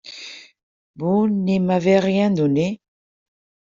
Vous ne m’avez rien donné.